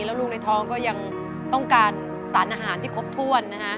แล้วลูกในท้องก็ยังต้องการสารอาหารที่ครบถ้วนนะฮะ